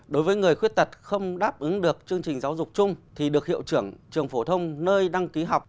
đối với người khuyết tật không đáp ứng được chương trình giáo dục chung thì được hiệu trưởng trường phổ thông nơi đăng ký học